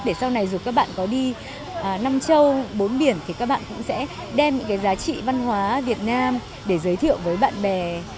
để sau này dù các bạn có đi năm châu bốn biển thì các bạn cũng sẽ đem những cái giá trị văn hóa việt nam để giới thiệu với bạn bè